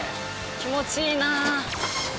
気持ちいいな。